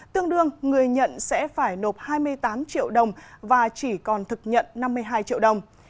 tương đương người nhận sẽ phải nộp hai mươi tám triệu đồng và chỉ còn thực nhận năm mươi hai triệu đồng